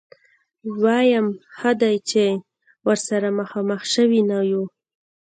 ويم ښه دی چې ورسره مخامخ شوي نه يو.